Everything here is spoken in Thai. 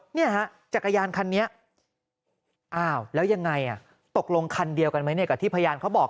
เนี่ยฮะจักรยานคันนี้อ้าวแล้วยังไงอ่ะตกลงคันเดียวกันไหมเนี่ยกับที่พยานเขาบอก